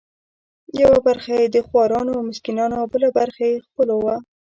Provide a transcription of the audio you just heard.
یوه برخه یې د خورانو او مسکینانو او بله برخه د خپلو وه.